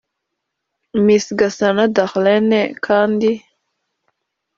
Miss Gasana Darlène kandi